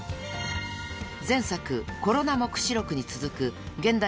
［前作『コロナ黙示録』に続く現代